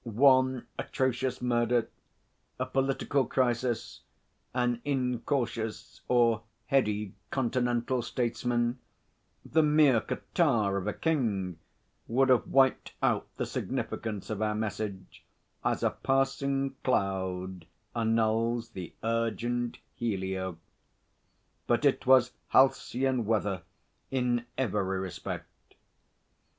One atrocious murder, a political crisis, an incautious or heady continental statesman, the mere catarrh of a king, would have wiped out the significance of our message, as a passing cloud annuls the urgent helio. But it was halcyon weather in every respect.